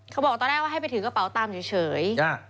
เขาบอกตอนแรกว่าให้ไปถือกระเป๋าตามเฉย